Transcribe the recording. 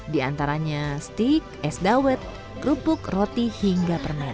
di antaranya steak es dawet kerupuk roti hingga permen